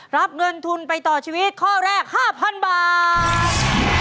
รับเงินทุนไปต่อชีวิตข้อแรก๕๐๐๐บาท